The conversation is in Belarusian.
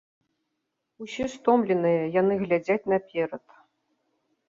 Усе стомленыя, яны глядзяць наперад.